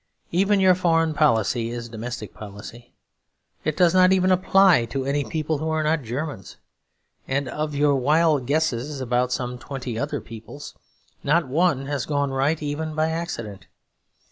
Even your foreign policy is domestic policy. It does not even apply to any people who are not Germans; and of your wild guesses about some twenty other peoples, not one has gone right even by accident.